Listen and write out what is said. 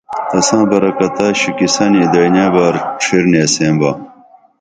تساں برکتہ شُوکیسنی ایدیعی نعیں بار ڇھیرنیسیں با